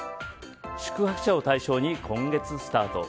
宿泊者を対象に今月スタート。